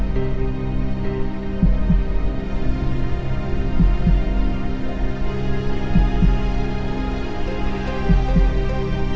คุณเพิ่มพุน